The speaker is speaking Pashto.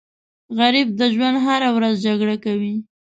غریب د ژوند هره ورځ جګړه کوي